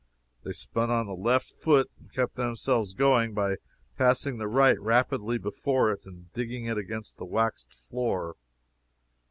They spun on the left foot, and kept themselves going by passing the right rapidly before it and digging it against the waxed floor.